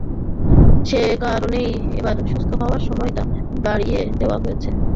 সেকারণেই এবার সুস্থ হওয়ার সময়টা বাড়িয়ে দেওয়া হয়েছে বলে ধারণা করা হচ্ছে।